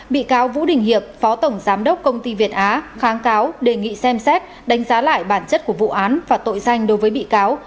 bị cáo vũ đình hiệp phó tổng giám đốc công ty việt á kháng cáo đề nghị xem xét đánh giá lại bản chất của vụ án và tội danh đối với bị cáo